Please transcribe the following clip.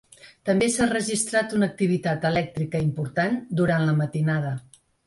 També s’ha registrat una activitat elèctrica important durant la matinada.